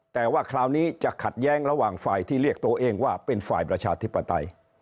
แต่ว่าคราวนี้จะขัดแย้งระหว่างฝ่ายที่เรียกตัวเองว่าเป็นฝ่ายประชาธิปไตย